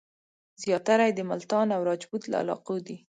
زیاتره یې د ملتان او راجپوت له علاقو دي.